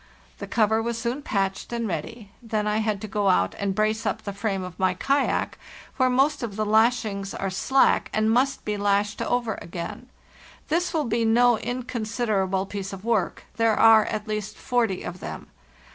The cover was soon patched and ready; then I had to go out and brace up the frame of my kayak where most of the lashings are slack and must be lashed over again; this will be no inconsiderable piece of work; there are at least forty of them.